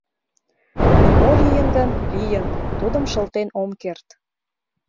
Но мо лийын гын, лийын, тудым шылтен ом керт.